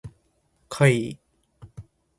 怪異